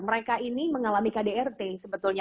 mereka ini mengalami kdrt sebetulnya